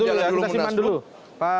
jadi sekarang jalan dulu munaslup